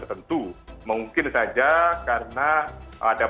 menurut saya agak sulit